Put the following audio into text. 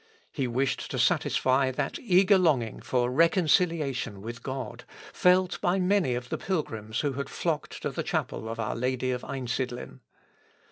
He wished to satisfy that eager longing for reconciliation with God, felt by many of the pilgrims who had flocked to the chapel of our Lady of Einsidlen.